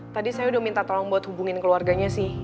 tadi saya udah minta tolong buat hubungin keluarganya sih